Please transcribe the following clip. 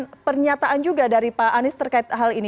ada pernyataan juga dari pak anies terkait hal ini